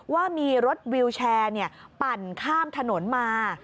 ว่ามีรถวิวแชร์ปั่นข้ามถนนมา